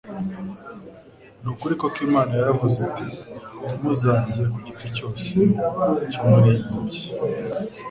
Ni ukuri koko Imana yaravuze iti, ntimuzarye ku giti cyose cyo muri iyi ngobyi?